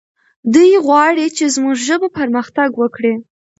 دی غواړي چې زموږ ژبه پرمختګ وکړي.